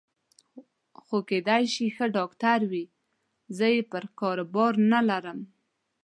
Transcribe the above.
خو کېدای شي ښه ډاکټر وي، زه یې پر کار باور نه لرم.